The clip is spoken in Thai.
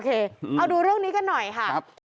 เอาดูเรื่องนี้กันหน่อยค่ะ